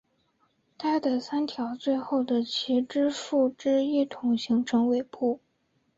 它的三条最后的旗帜状附肢一同形成尾部。